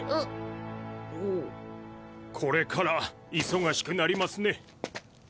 ・これから忙しくなりますね。